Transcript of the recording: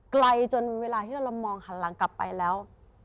ไกลจนเวลาที่เรามองหันหลังกลับไปแล้ว